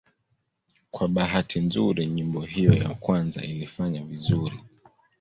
Kwa bahati nzuri nyimbo hiyo ya kwanza ilifanya vizuri.